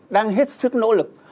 đang hết sức nỗ lực